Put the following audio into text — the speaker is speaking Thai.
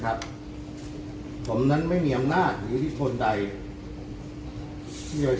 ครับผมนั้นไม่เหมียงนาทหรือที่ทนใดที่ยัยสามารถ